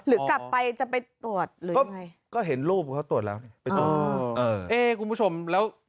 หรือกลับไปจะไปตรวจหรือก็เห็นรูปเขาตรวจแล้วเนี่ยคุณผู้ชมแล้ว